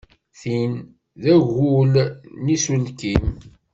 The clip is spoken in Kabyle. Tin d agul n uselkim.